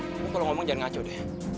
kamu kalau ngomong jangan ngacu deh